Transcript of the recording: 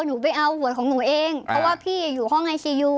หนูไปเอาหวยของหนูเองเพราะว่าพี่อยู่ห้องไอซียู